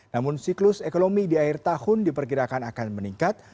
namun siklus ekonomi di akhir tahun diperkirakan akan meningkat